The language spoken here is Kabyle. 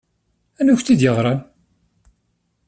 Anwi i kent-d-yeɣṛan?